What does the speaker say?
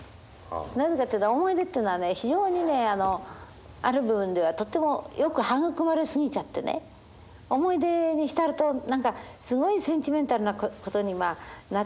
なぜかっていうと思い出っていうのはね非常にねある部分ではとってもよく育まれすぎちゃってね思い出に浸るとなんかすごいセンチメンタルなことになってね。